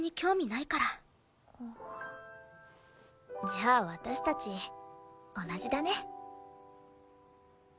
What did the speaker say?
じゃあ私たち同じだね。